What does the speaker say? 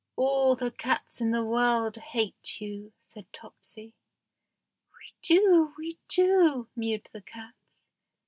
"All the cats in the world hate you," said Topsy. "We do! we do! we do!" mewed the cats.